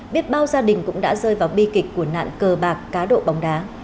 biết bao gia đình cũng đã rơi vào bi kịch của nạn cờ bạc cá độ bóng đá